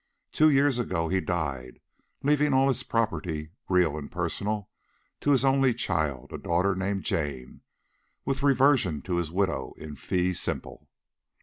Two years ago he died leaving all his property, real and personal, to his only child, a daughter named Jane, with reversion to his widow in fee simple.